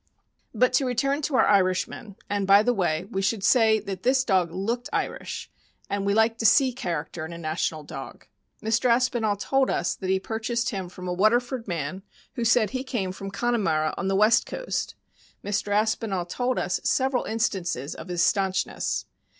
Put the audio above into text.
But to return to our Irishman — and, by the way, we should say that this dog looked Irish, and we like to see character in a national dog — Mr. Aspinall told us that he purchased him from a Waterford man, who said he came from Connemara. on the West Coast. Mr. Aspinall told us several instances of his stanchness.